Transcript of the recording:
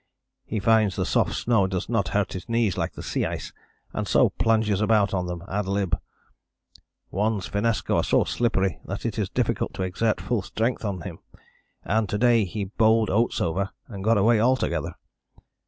He finds the soft snow does not hurt his knees like the sea ice, and so plunges about on them ad lib. One's finnesko are so slippery that it is difficult to exert full strength on him, and to day he bowled Oates over and got away altogether.